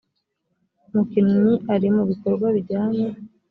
umukinnyi ari mu bikorwa bijyanye